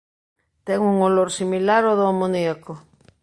Ten un olor similar ao do amoníaco.